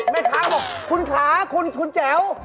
แม่ค้าบอกคุณขาคุณคุณแจ๋ว